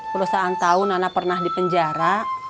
perusahaan tahu nana pernah di penjara